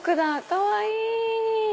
かわいい！